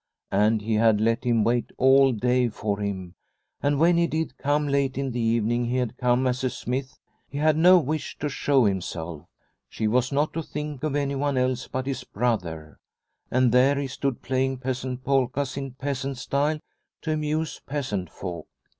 And he had let 172 Liliecrona's Home him wait all day for him, and when he did come late in the evening he had come as a smith. He had no wish to show himself. She was not to think of anyone else but his brother. And there he stood playing peasant polkas in peasant style to amuse peasant folk